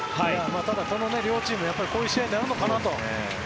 ただ、両チームこういう試合になるのかなと。